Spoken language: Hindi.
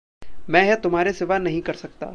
मैं यह तुम्हारे सिवा नहीं कर सकता।